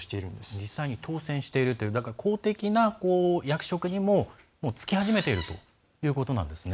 実際に当選している公的な役職にも就き始めているということなんですね。